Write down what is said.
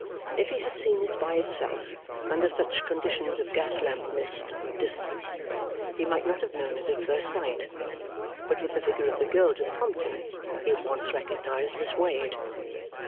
If he had seen it by itself, under such conditions of gas lamp, mist, and distance, he might not have known it at first sight, but with the figure of the girl to prompt him, he at once recognised Miss Wade.